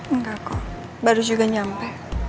enggak kok baru juga nyampe